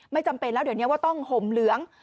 ไม่จำเป็นแล้วเดี๋ยวนี้ว่าต้องห่มเหลือง